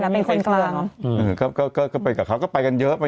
มีคนกลางเหรอก็ไปกับเค้าก็ไปกันเยอะ